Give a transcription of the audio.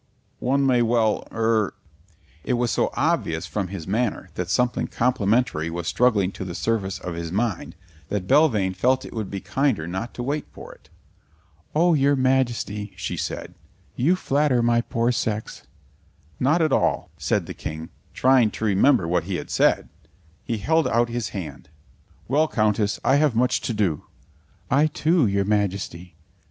One may well er " It was so obvious from his manner that something complimentary was struggling to the surface of his mind, that Belvane felt it would be kinder not to wait for it. "Oh, your Majesty," she said, "you flatter my poor sex." "Not at all," said the King, trying to remember what he had said. He held out his hand. "Well, Countess, I have much to do." "I, too, your Majesty."